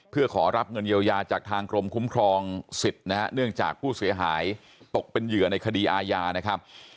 เพื่อขอรับเงินเยียวยาจากทางกรมคุ้มครองสิทธิ์นะฮะเนื่องจากผู้เสียหายตกเป็นเหยื่อในคดีอาญานะครับ